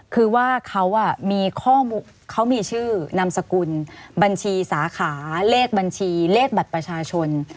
คือว่าเขามีชื่อนามสกุลบัญชีสาขาเลขบัญชีเลขบัตรประชาชน